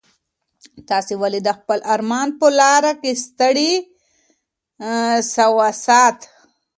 تاسي ولي د خپل ارمان په لاره کي ستړي سواست؟